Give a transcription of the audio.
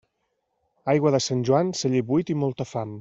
Aigua de Sant Joan, celler buit i molta fam.